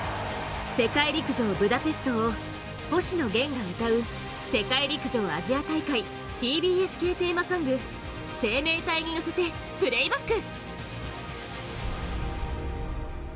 世界陸上ブダペストを星野源が歌う世界陸上、アジア大会ＴＢＳ系テーマソング「生命体」にのせて、プレーバック。